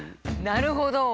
なるほど。